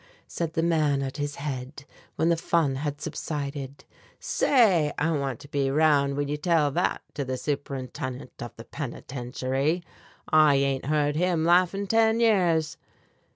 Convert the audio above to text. said the man at his head, when the fun had subsided; "say, I want to be 'round when you tell that to the Superintendent of the Penitentiary I ain't heard him laugh in ten years!"